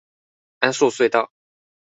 安朔隧道